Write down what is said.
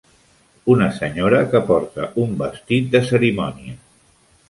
Una senyora que porta un vestit de cerimònia